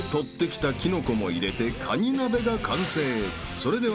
［それでは］